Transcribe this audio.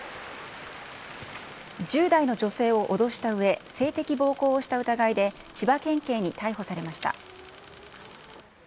１０代の女性を脅したうえ、性的暴行をした疑いで千葉県警に逮捕されました。